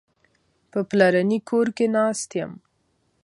په پلرني کور کې ناست یم.